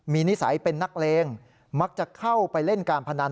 มีนิสัยเป็นนักเลงมักจะเข้าไปเล่นการพนัน